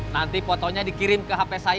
nanti fotonya dikirim ke hp saya